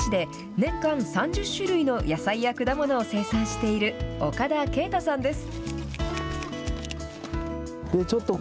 東京・三鷹市で、年間３０種類の野菜や果物を生産している岡田啓太さんです。